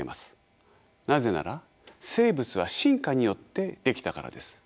なぜなら生物は進化によって出来たからです。